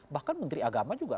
bahkan menteri agama juga